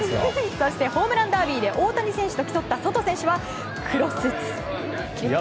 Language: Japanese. そしてホームランダービーで大谷選手と競ったソト選手は黒スーツ。